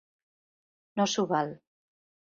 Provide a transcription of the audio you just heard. No s'ho val.